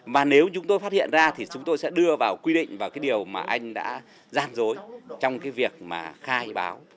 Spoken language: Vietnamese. mà nếu chúng tôi phát hiện ra thì chúng tôi sẽ đưa vào quy định và cái điều mà anh đã gian dối trong cái việc mà khai báo